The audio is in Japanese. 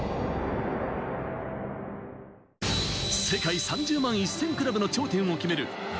世界３０万１０００クラブの頂点を決める